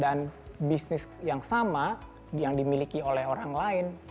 dan bisnis yang sama yang dimiliki oleh orang lain